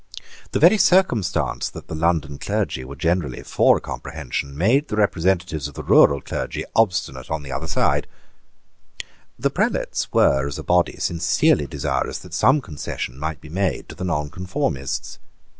The very circumstance that the London clergy were generally for a comprehension made the representatives of the rural clergy obstinate on the other side, The prelates were, as a body, sincerely desirous that some concession might be made to the nonconformists.